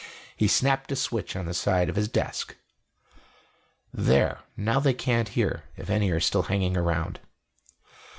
He snapped a switch on the side of his desk. "There; now they can't hear if any are still hanging around."